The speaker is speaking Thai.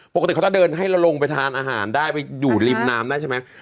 ปกติเขาจะเดินให้เราลงไปทานอาหารได้ไปอยู่ริมน้ำได้ใช่ไหม